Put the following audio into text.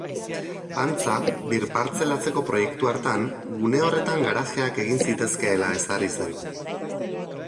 Antza, birpartzelatzeko proiektu hartan, gune horretan garajeak egin zitezkeela ezarri zen.